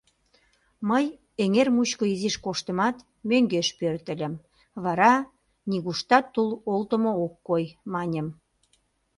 Мый эҥер мучко изиш коштымат, мӧҥгеш пӧртыльым, вара, нигуштат тул олтымо ок кой, маньым.